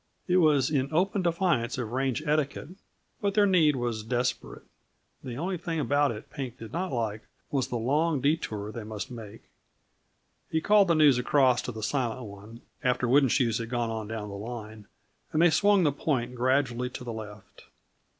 It was in open defiance of range etiquette; but their need was desperate. The only thing about it Pink did not like was the long detour they must make. He called the news across to the Silent One, after Wooden Shoes had gone on down the line, and they swung the point gradually to the left.